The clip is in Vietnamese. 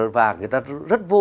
và người ta rất vô